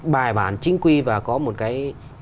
bài bản chính quy và có một cái